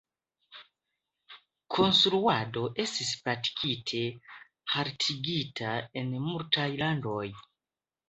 Konstruado estis praktike haltigita en multaj landoj.